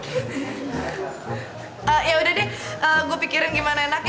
ya udah deh gue pikirin gimana enaknya